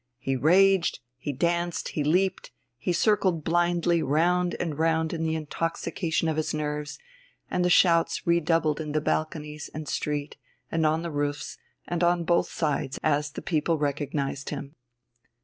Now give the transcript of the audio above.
He raged, he danced, he leaped, he circled blindly round and round in the intoxication of his nerves, and the shouts redoubled in the balconies and street and on the roofs on both sides as the people recognized him.